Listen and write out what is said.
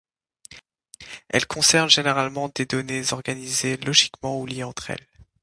Elle concerne généralement des données organisées logiquement ou liées entre elles.